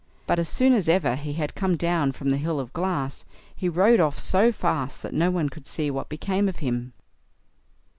But, as soon as ever he had come down from the hill of glass, he rode off so fast that no one could see what became of him.